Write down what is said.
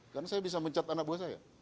karena saya bisa mencat anak buah saya